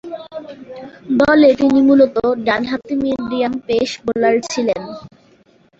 দলে তিনি মূলতঃ ডানহাতি মিডিয়াম পেস বোলার ছিলেন।